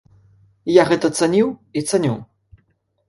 Я гэта цаніў і цаню!